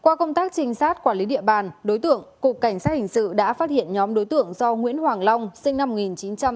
qua công tác trinh sát quản lý địa bàn đối tượng cục cảnh sát hình sự đã phát hiện nhóm đối tượng do nguyễn hoàng long sinh năm một nghìn chín trăm tám mươi